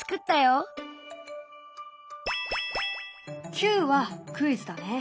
「Ｑ」はクイズだね。